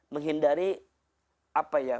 menghindari apa ya